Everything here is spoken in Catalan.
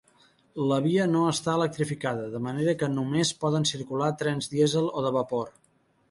La via no està electrificada, de manera que només poden circular trens dièsel o de vapor.